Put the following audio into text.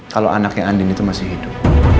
kalau anaknya andin itu masih hidup